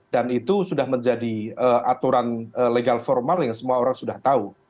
dan itu sudah menjadi aturan legal formal yang semua orang sudah tahu